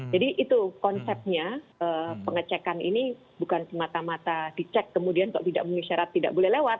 jadi itu konsepnya pengecekan ini bukan semata mata dicek kemudian kalau tidak memenuhi syarat tidak boleh lewat gitu